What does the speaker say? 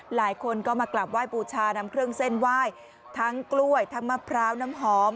หลายคนก็มากลับไหว้บูชานำเครื่องเส้นไหว้ทั้งกล้วยทั้งมะพร้าวน้ำหอม